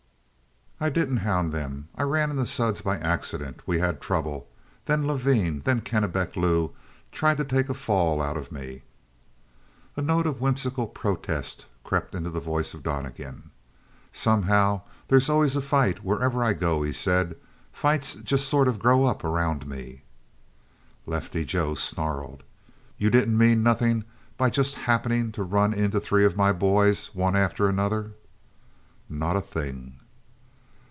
"I didn't hound them. I ran into Suds by accident. We had trouble. Then Levine. Then Kennebec Lou tried to take a fall out of me." A note of whimsical protest crept into the voice of Donnegan. "Somehow there's always a fight wherever I go," he said. "Fights just sort of grow up around me." Lefty Joe snarled. "You didn't mean nothing by just 'happening' to run into three of my boys one after another?" "Not a thing."